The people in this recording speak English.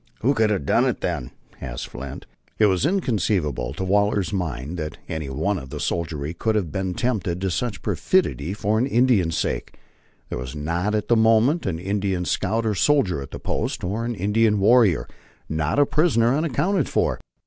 "Who could have done it, then?" asked Flint. It was inconceivable to Waller's mind that any one of the soldiery could have been tempted to such perfidy for an Indian's sake. There was not at the moment an Indian scout or soldier at the post, or an Indian warrior, not a prisoner, unaccounted for.